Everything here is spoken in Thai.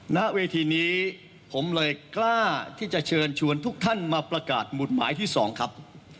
ณเวทีนี้ผมเลยกล้าที่จะเชิญชวนทุกท่านมาประกาศหมุดหมายที่๒ครับ